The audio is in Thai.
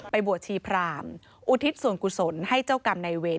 บวชชีพรามอุทิศส่วนกุศลให้เจ้ากรรมในเวร